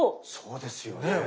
そうですよね。